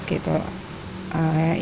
banyak yang menginap